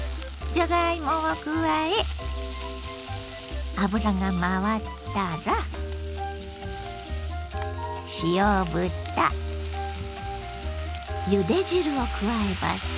じゃがいもを加え油が回ったら塩豚ゆで汁を加えます。